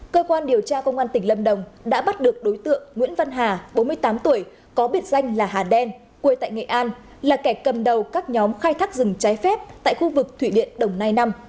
cơ quan điều tra công an tỉnh lâm đồng đã bắt được đối tượng nguyễn văn hà bốn mươi tám tuổi có biệt danh là hà đen quê tại nghệ an là kẻ cầm đầu các nhóm khai thác rừng trái phép tại khu vực thủy điện đồng nai năm